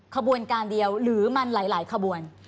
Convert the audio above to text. ขบวนการเดียวหรือมันหลายขบวน